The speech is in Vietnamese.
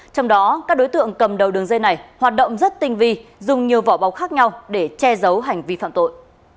trong đó các đối tượng cầm đầu đường dây này hoạt động rất tinh vi dùng nhiều vỏ bọc khác nhau để che giấu hành vi phạm tội